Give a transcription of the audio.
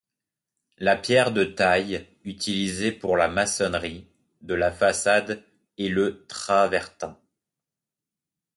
La pierre de taille utilisée pour la maçonnerie de la façade est le travertin.